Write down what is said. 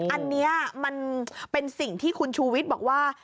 อันนี้มันเป็นสิ่งที่คุณชูวิทย์บอกว่า